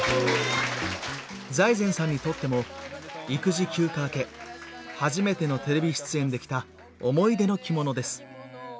財前さんにとっても育児休暇明け初めてのテレビ出演で着た思い出の着物です。